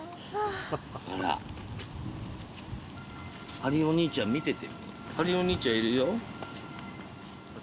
ハリーお兄ちゃん見てて。